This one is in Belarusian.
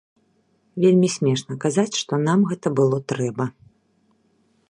Вельмі смешна казаць, што нам гэта было трэба.